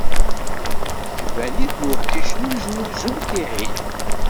Yiwet n tkebannit n uḥric n uznuzu d tiɣin.